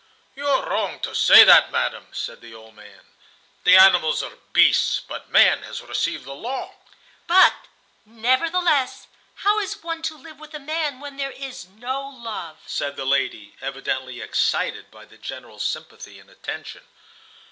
"You are wrong to say that, madam," said the old man. "The animals are beasts, but man has received the law." "But, nevertheless, how is one to live with a man when there is no love?" said the lady, evidently excited by the general sympathy and attention.